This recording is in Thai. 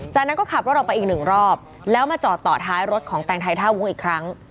จากนั้นก็ขับรถออกไปอีกหนึ่งรอบแล้วมาจอดต่อท้ายรถของแตงไทยท่าวุ้งอีกครั้ง